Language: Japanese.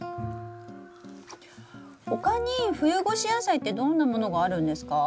他に冬越し野菜ってどんなものがあるんですか？